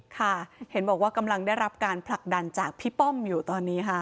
ค่ะเห็นบอกว่ากำลังได้รับการผลักดันจากพี่ป้อมอยู่ตอนนี้ค่ะ